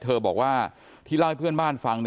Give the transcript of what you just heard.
เธอบอกว่าที่เล่าให้เพื่อนบ้านฟัง